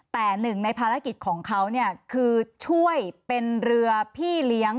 แต่หนึ่งในภารกิจของเขาเนี่ยคือช่วยเป็นเรือพี่เลี้ยง